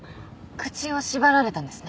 口を縛られたんですね。